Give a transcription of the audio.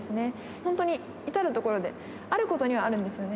本当に至る所で、あることにはあるんですよね。